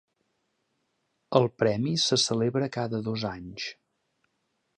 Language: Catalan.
El Premi se celebra cada dos anys.